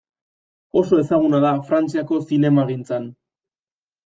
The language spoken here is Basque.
Oso ezaguna da Frantziako zinemagintzan.